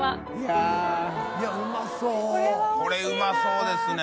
これうまそうですね。